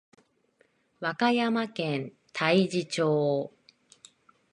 和歌山県太地町